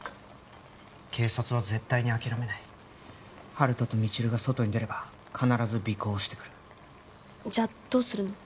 警察は絶対に諦めない温人と未知留が外に出れば必ず尾行してくるじゃどうするの？